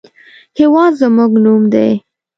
هېواد زموږ نوم دی